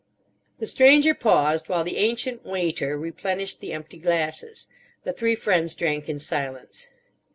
The Stranger paused while the ancient waiter replenished the empty glasses. The three friends drank in silence.